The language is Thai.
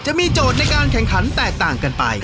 จะมีโจทย์ในการแข่งขันแตกต่างกันไป